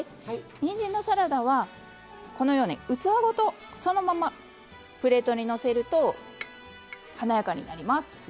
にんじんのサラダは器ごとそのままプレートにのせると華やかになります。